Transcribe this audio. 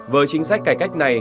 với chính sách cải cách này